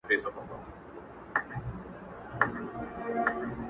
خدایه څه د رنګ دنیا ده له جهانه یمه ستړی!